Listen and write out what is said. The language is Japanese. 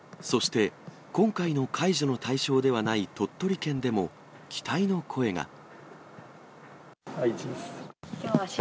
そして、今回の解除の対象ではない鳥取県でも期待の声が。